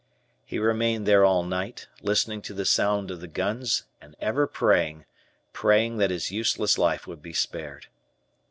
He remained there all night, listening to the sound of the guns and ever praying, praying that his useless life would be spared.